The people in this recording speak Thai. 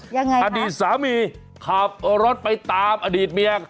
ยังไงครับอดีตสามีขาบร้อนไปตามอดีตเมีย